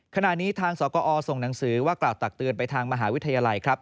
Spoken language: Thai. ขณะนี้ทางสกอส่งหนังสือว่ากล่าวตักเตือนไปทางมหาวิทยาลัยครับ